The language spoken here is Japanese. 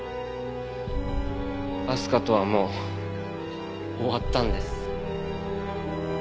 明日香とはもう終わったんです。